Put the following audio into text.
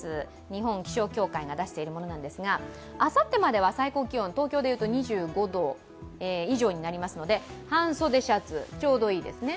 日本気象協会が出しているものなんですが、あさってまでは最高気温東京でいうと２５度以上になりますので半袖シャツがちょうどいいですね。